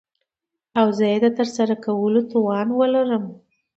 او زه يې دترسره کولو توان وه لرم .